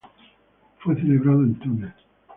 Fue celebrado en Túnez.